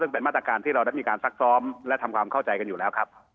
ซึ่งเป็นมาตรการที่เราได้มีการซักซ้อมและทำความเข้าใจกันอยู่แล้วครับ